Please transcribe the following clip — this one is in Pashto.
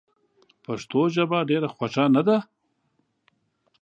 پښتو ژبه ډېره خوږه نده؟!